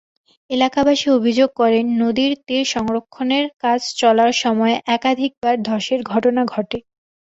এলাকাবাসী অভিযোগ করেন, নদীর তীর সংরক্ষণের কাজ চলার সময় একাধিকবার ধসের ঘটনা ঘটে।